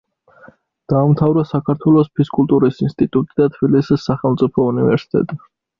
დაამთავრა საქართველოს ფიზკულტურის ინსტიტუტი და თბილისის სახელმწიფო უნივერსიტეტი.